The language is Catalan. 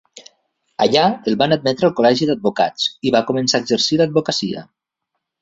Allà el van admetre al col·legi d'advocats i va començar a exercir l'advocacia.